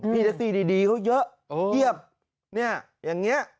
แท็กซี่ดีเขาเยอะเพียบเนี่ยอย่างนี้